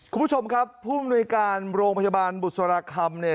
คุณผู้ชมครับผู้มนุยการโรงพยาบาลบุษราคำเนี่ย